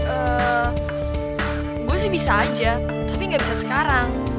gue sih bisa aja tapi gak bisa sekarang